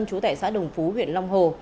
chú tẻ xã đồng phú huyện long hồ